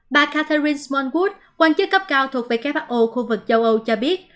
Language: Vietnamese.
bà catherine smallwood quan chức cấp cao thuộc who khu vực châu âu cho biết